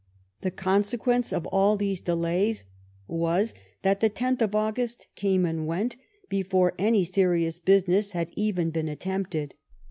The consequence of all these delays was that the 10th of August came and went before any serious business had even been attempted.